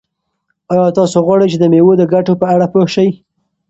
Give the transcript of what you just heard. آیا تاسو غواړئ چې د مېوو د ګټو په اړه پوه شئ؟